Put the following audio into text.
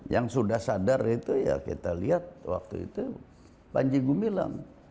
yang sudah sadar itu ya kita lihat waktu itu panji gumilang